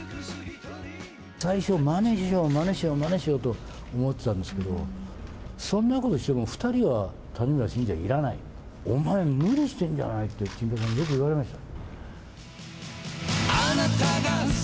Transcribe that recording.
最初、まねしよう、まねしよう、まねしようと思ってたんですけど、そんなことしても、２人は谷村新司はいらない、お前、無理してんじゃない？って、チンペイさんによくいわれました。